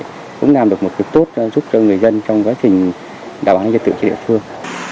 cũng làm được một việc tốt giúp cho người dân trong quá trình đảm bảo nhân dân tự trị địa phương